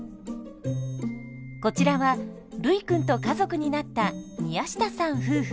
こちらはルイくんと家族になった宮下さん夫婦。